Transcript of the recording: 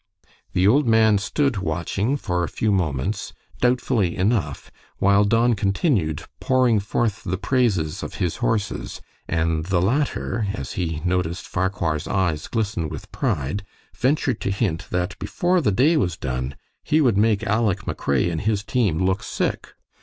The old man stood watching for a few moments, doubtfully enough, while Don continued pouring forth the praises of his horses, and the latter, as he noticed Farquhar's eyes glisten with pride, ventured to hint that before the day was done "he would make Aleck McRae and his team look sick.